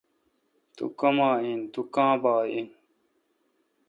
تو کما این۔۔تو کاں با این؟